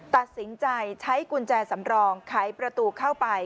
ตัดสินใจใช้กุญแจสำรองไขประตูเข้าไป